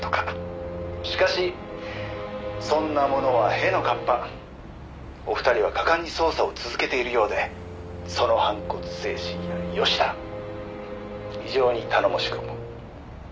「しかしそんなものは屁の河童」「お二人は果敢に捜査を続けているようでその反骨精神や良しだ」「非常に頼もしく思う」